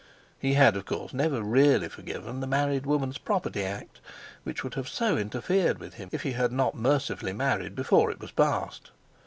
He had, of course, never really forgiven the Married Woman's Property Act, which would so have interfered with him if he had not mercifully married before it was passed.